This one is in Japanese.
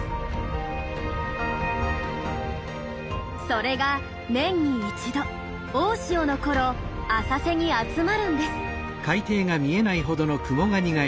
それが年に一度大潮のころ浅瀬に集まるんです。